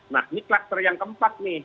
nah ini kluster yang keempat nih